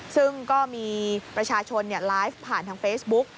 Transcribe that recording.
ซึ่งก็มีประชาชนไลฟ์ผ่านทางเฟซบุ๊ก